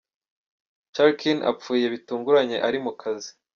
Churkin, apfuye bitunguranye ari mu kazi.